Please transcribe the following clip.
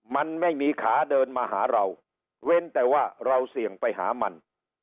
มันไม่มีขาเดินมาหาเราเว้นแต่ว่าเราเสี่ยงไปหามัน